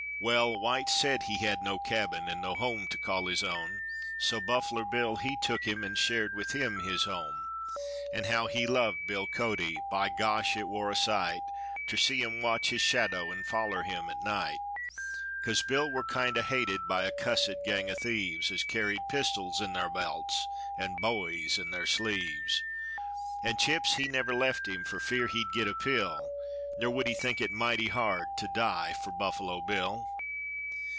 Wall, White he had no cabin, an' no home to call his own, So Buffaler Bill he took him an' shared with him his home. An' how he loved Bill Cody! By gosh! it war a sight Ter see him watch his shadder an' foller him at night; Cos Bill war kinder hated by a cussed gang o' thieves, As carried pistols in thar belts, an' bowies in thar sleeves. An' Chips he never left him, for fear he'd get a pill; Nor would he think it mighty hard to die for Buffalo Bill.